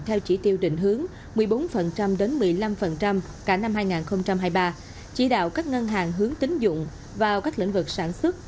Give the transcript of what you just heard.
theo chỉ tiêu định hướng một mươi bốn đến một mươi năm cả năm hai nghìn hai mươi ba chỉ đạo các ngân hàng hướng tín dụng vào các lĩnh vực sản xuất